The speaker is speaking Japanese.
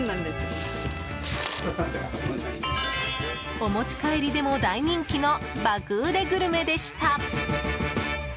お持ち帰りでも大人気の爆売れグルメでした。